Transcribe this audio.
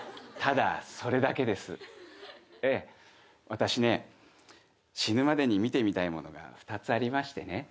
私ね死ぬまでに見てみたいものが２つありましてね。